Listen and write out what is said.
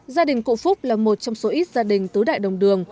gia đình cụ phúc là một trong số ít gia đình tứ đại đồng đường